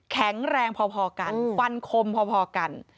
แข็งแรงพอกันฟันคมพอกัน